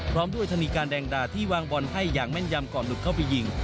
พร้อมด้วยธนีการแดงดาที่วางบอลให้อย่างแม่นยำก่อนหลุดเข้าไปยิง